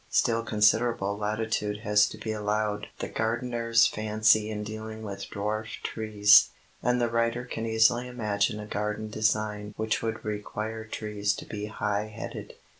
Still considerable latitude has to be allowed the gardener's fancy in dealing with dwarf trees, and the writer can easily imagine a garden design which would require trees to be high headed.